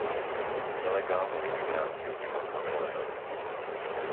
Nelegálnu imigráciu nemožno tolerovať.